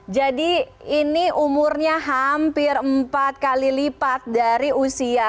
jadi ini umurnya hampir empat kali lipat dari usia